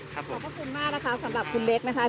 ขอบพระคุณมากนะคะสำหรับคุณเล็กนะคะ